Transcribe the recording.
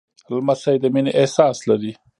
لمسی د مینې احساس لري.